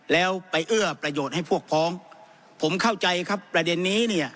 แล้วไปเอื้อประโยชน์ให้พวกพ้องผมเข้าใจครับประเด็นนี้เนี่ย